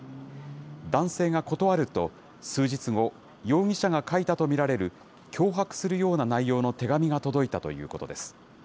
男性が断ると、数日後、容疑者が書いたと見られる脅迫するような内容の手紙が届いたということです。